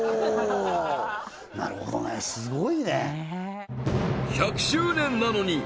なるほどねすごいね！